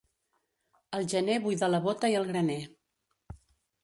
El gener buida la bóta i el graner.